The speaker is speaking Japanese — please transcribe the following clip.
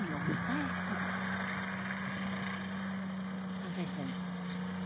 反省してんの？